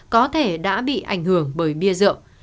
có thể đã bị ảnh hưởng bởi bia rượu